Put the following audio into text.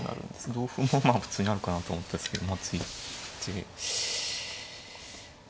同歩もまあ普通にあるかなと思ったですけど。